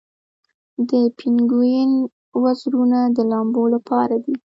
د پینګوین وزرونه د لامبو لپاره دي